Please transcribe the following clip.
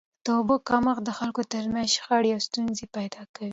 د اوبو کمښت د خلکو تر منځ شخړي او ستونزي پیدا کوي.